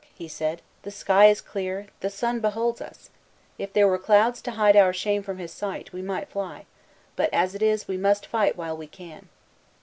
he said, "the sky is clear; the Sun beholds us. If there were clouds to hide our shame from his sight, we might fly; but, as it is, we must fight while we can."